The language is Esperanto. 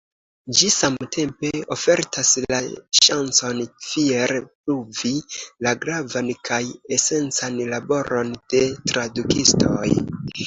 Ĝi samtempe ofertas la ŝancon fiere pruvi la gravan kaj esencan laboron de tradukistoj.